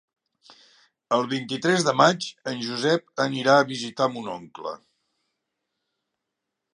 El vint-i-tres de maig en Josep anirà a visitar mon oncle.